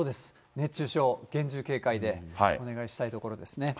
熱中症、厳重警戒でお願いしたいところですね。